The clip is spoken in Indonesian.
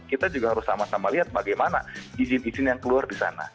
kita juga harus sama sama lihat bagaimana izin izin yang keluar di sana